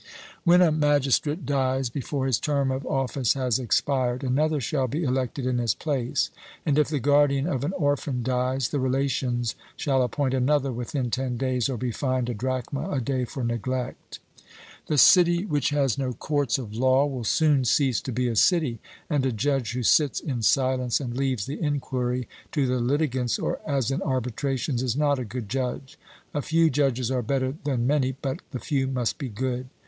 When a magistrate dies before his term of office has expired, another shall be elected in his place; and, if the guardian of an orphan dies, the relations shall appoint another within ten days, or be fined a drachma a day for neglect. The city which has no courts of law will soon cease to be a city; and a judge who sits in silence and leaves the enquiry to the litigants, as in arbitrations, is not a good judge. A few judges are better than many, but the few must be good.